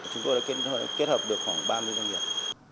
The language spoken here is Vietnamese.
chúng tôi đã kết hợp được khoảng ba mươi doanh nghiệp